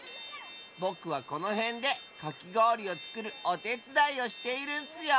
ぼくはこのへんでかきごおりをつくるおてつだいをしているッスよ。